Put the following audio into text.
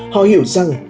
họ hiểu rằng